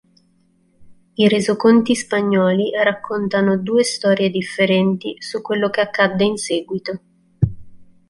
I resoconti spagnoli raccontano due storie differenti su quello che accadde in seguito.